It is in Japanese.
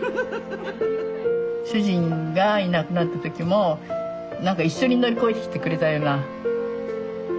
主人がいなくなった時も何か一緒に乗り越えてきてくれたようなね。